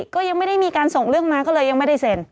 ก็ยังไม่ได้มีการส่งเรื่องมาก็เลยยังไม่ได้เซ็น